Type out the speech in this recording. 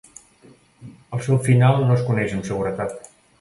El seu final no es coneix amb seguretat.